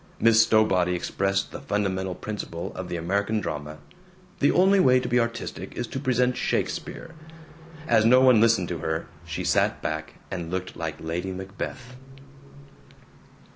Miss Stowbody expressed the fundamental principle of the American drama: the only way to be artistic is to present Shakespeare. As no one listened to her she sat back and looked like Lady Macbeth.